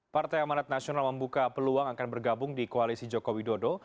partai amanat nasional membuka peluang akan bergabung di koalisi joko widodo